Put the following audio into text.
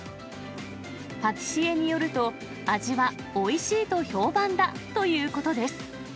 パティシエによると、味はおいしいと評判だということです。